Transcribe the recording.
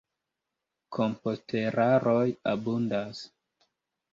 Komposteraroj abundas.